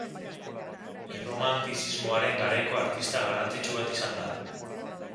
Erromantizismoaren garaiko artista garrantzitsu bat izan da.